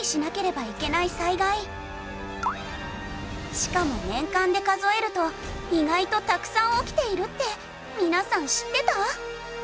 しかも年間で数えると意外とたくさん起きているって皆さん知ってた？